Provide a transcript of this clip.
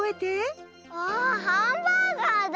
わあハンバーガーだ。